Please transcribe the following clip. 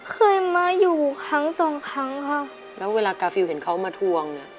เคยมาอยู่ครั้งสองครั้งค่ะแล้วเวลากาฟิลเห็นเขามาทวงอ่ะ